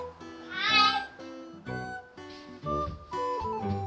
はい。